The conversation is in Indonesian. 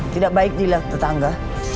tidak baik dilihat tetangga